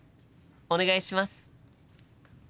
お願いします。